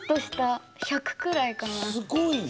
すごいな。